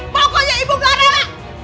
pokoknya ibu gak rela